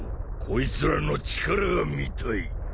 こいつらの力が見たい。